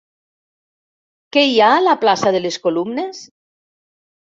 Què hi ha a la plaça de les Columnes?